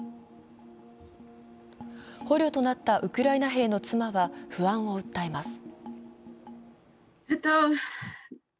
捕虜となったウクライナ兵の妻は不安を訴えます。